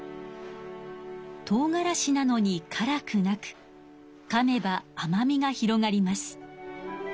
とうがらしなのにからくなくかめばあまみが広がります。